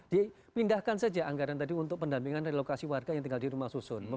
dipindahkan saja anggaran tadi untuk pendampingan relokasi warga yang tinggal di rumah susun